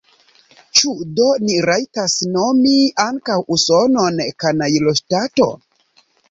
Ĉu do ni rajtas nomi ankaŭ Usonon kanajloŝtato?